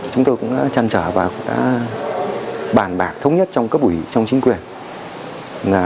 chúng tôi cũng đã trăn trở và bàn bạc thống nhất trong cấp ủy trong chính quyền